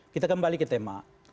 kita kembali ke tema